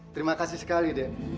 terima kasih sekali de